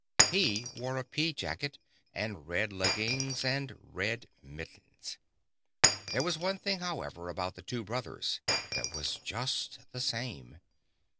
He wore a pea jacket, and red leggings and red mittens. There was one thing, however, about the two brothers that was just the same.